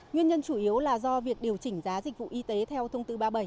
nguyên nhân chủ yếu là do việc điều chỉnh giá dịch vụ y tế theo thông tư ba mươi bảy